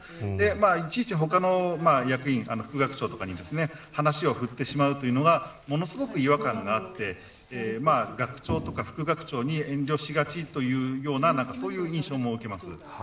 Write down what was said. いちいち他の役員、副学長とかに話を振ってしまうというのがものすごく違和感があって学長とか副学長に遠慮しがちというようなそういう印象も受けます。